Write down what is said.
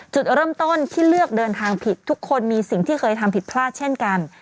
จุดเริ่มต้นที่เลือกเดินทางผิดทุกคนมีสิ่งที่เคยทำผิดพลาดเช่นกัน